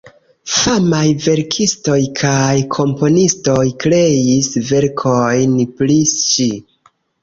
Famaj verkistoj kaj komponistoj kreis verkojn pri ŝi.